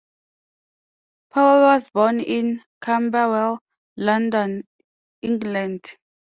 Powell was born in Camberwell, London, England.